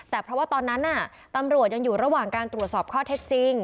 แต่เพราะว่าตอนนั้นตำรวจยังอยู่ระหว่างการตรวจสอบข้อเท็จจริง